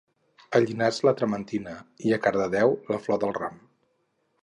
A Llinars la trementina i a Cardedeu la flor del ram